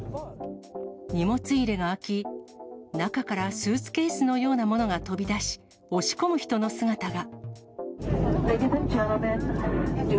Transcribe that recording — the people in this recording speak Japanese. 荷物入れが開き、中からスーツケースのようなものが飛び出し、押し込む人の姿が。